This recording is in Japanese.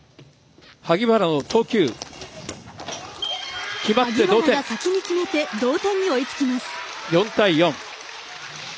萩原が先に決めて同点に追いつきます。